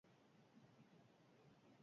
Emaitza ez da loteslea izango.